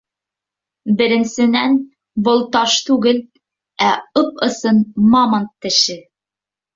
Беренсенән, был таш түгел, ә ып-ысын мамонт теше!